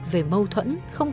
về mâu thuẫn